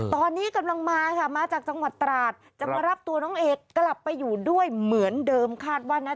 ตอนนี้กำลังมาค่ะมาจากจังหวัดตราดจะมารับตัวน้องเอกกลับไปอยู่ด้วยเหมือนเดิมคาดว่านะ